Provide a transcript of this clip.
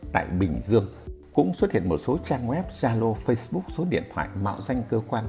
tại bình dương cũng xuất hiện một số trang web gia lô facebook số điện thoại mạo danh cơ quan